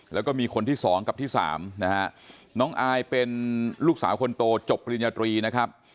แล้วก็มีคนที่สองกับที่สามนะฮะน้องอายเป็นลูกสาวคนโตจบปริญญาตรีนะครับ